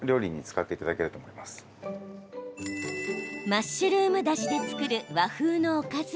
マッシュルームだしで作る和風のおかず。